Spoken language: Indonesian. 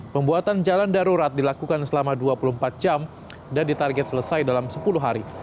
pembuatan jalan darurat dilakukan selama dua puluh empat jam dan ditarget selesai dalam sepuluh hari